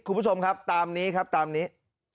คุณผู้ชมครับตามนี้ครับตามนี้